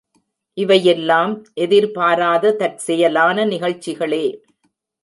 இவையெல்லாம் எதிர்பாராத தற்செயலான நிகழ்ச்சிகளே.